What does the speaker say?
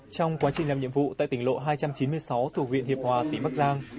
trong quá trình làm nhiệm vụ tại tỉnh lộ hai trăm chín mươi sáu thuộc huyện hiệp hòa tỉnh bắc giang